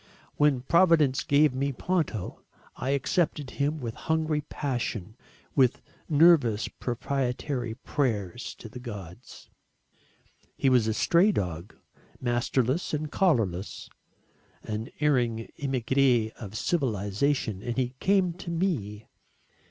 When Providence gave me Ponto I accepted him with hungry passion, with nervous propitiatory prayers to the Gods. He was a stray dog, masterless and collarless, an erring emigré of civilisation and he came to me.